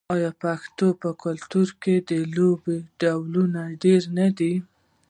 آیا د پښتنو په کلتور کې د لوبو ډولونه ډیر نه دي؟